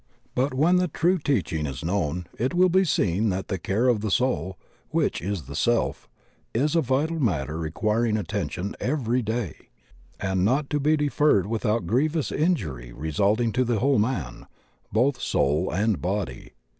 But when the true teaching is known it will be seen that the care of the soul, which is the Self, is a vital matter requiring attention every day, and not to be deferred without grievous injury re sulting to the whole man, both soul and body.